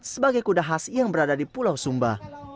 sebagai kuda khas yang berada di pulau sumba